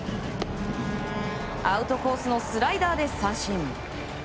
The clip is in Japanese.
アウトコースのスライダーで三振。